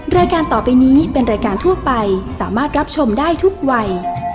รายการต่อไปนี้เป็นรายการทั่วไปสามารถรับชมได้ทุกวัย